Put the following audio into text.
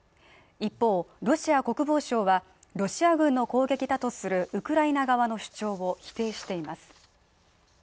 一方、ロシア国防省はロシア軍の攻撃だとするウクライナ側の主張を否定しています。